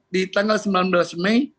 di tanggal sembilan belas mei